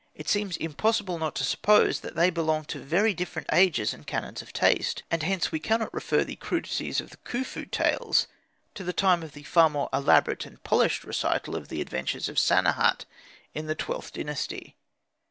It seems impossible not to suppose that they belong to very different ages and canons of taste; and hence we cannot refer the crudities of the Khufu tales to the time of the far more elaborate and polished recital of the adventures of Sanehat in the XIIth Dynasty.